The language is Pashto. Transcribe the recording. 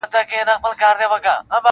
پهدهپسېويثوابونهيېدلېپاتهسي,